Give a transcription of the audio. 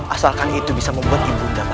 asalkan itu bisa membuat ibunda bahagia